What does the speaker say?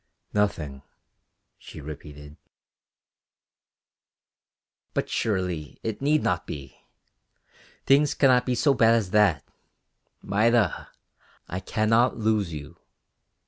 "Nothing," she repeated. "But surely it need not be. Things cannot be so bad as that Maida, I cannot lose you.